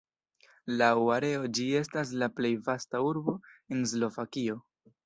Laŭ areo ĝi estas la plej vasta urbo en Slovakio.